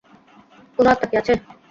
কোনো আত্মা কি আছে?